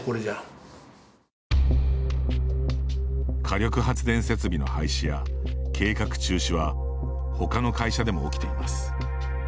火力発電設備の廃止や計画中止はほかの会社でも起きています。